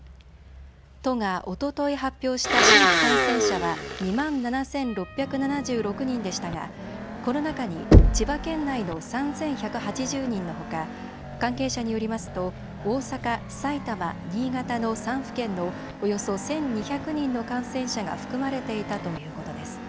都がおととい発表した新規感染者は２万７６７６人でしたが、この中に千葉県内の３１８０人のほか関係者によりますと大阪、埼玉、新潟の３府県のおよそ１２００人の感染者が含まれていたということです。